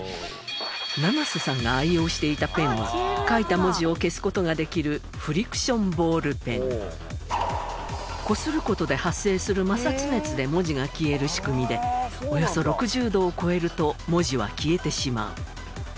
七瀬さんが愛用していたペンは書いた文字を消す事ができるこする事で発生する摩擦熱で文字が消える仕組みでおよそ６０度を超えると文字は消えてしまう。